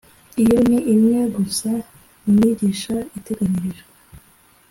Iyo ni imwe gusa mu migisha iteganyirijwe